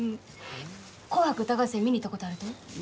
「紅白歌合戦」見に行ったことあると？